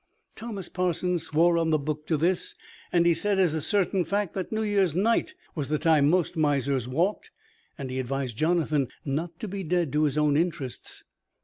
Thomas Parsons swore on the Book to this; and he said, as a certain fact, that New Year's Night was the time most misers walked; and he advised Jonathan not to be dead to his own interests.